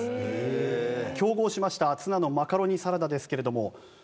へえ。競合しましたツナのマカロニサラダですけれども。